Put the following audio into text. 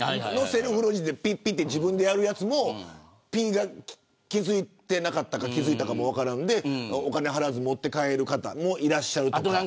ピッピッて自分でやるやつも気付いてなかったか気付いたかも分からんでお金を払わずに持って帰る方もいらっしゃるとか。